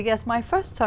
đã hỏi về